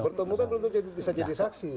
bertemu kan belum tentu bisa jadi saksi